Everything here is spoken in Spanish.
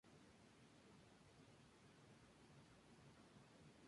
Fue realizada por el escultor ruso Zurab Tsereteli.